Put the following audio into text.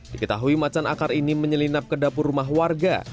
diketahui macan akar ini menyelinap ke dapur rumah warga